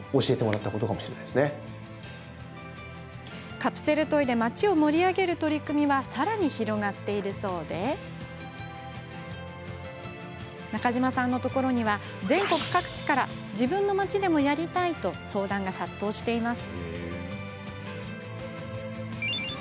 カプセルトイで街を盛り上げる取り組みはさらに広がっているそうで中島さんのところには全国各地から自分の街でもやりたいと相談が殺到しています。